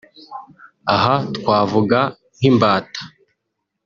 Aha twavuga nk’imbata